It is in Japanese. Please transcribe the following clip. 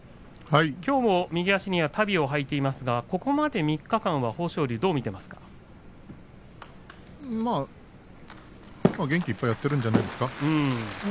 きょうも右足には足袋を履いていますがここまで３日間は豊昇龍元気いっぱいやっているんじゃないですか